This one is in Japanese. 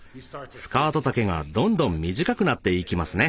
スカート丈がどんどん短くなっていきますね。